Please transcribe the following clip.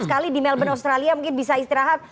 sekali di melbourne australia mungkin bisa istirahat